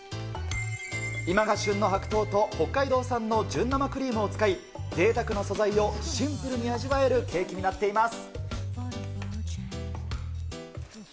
今が旬の白桃と、北海道産の純生クリームを使い、ぜいたくな素材をシンプルに味わえるケーキになっています。